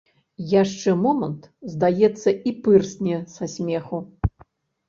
Яшчэ момант, здаецца, і пырсне са смеху.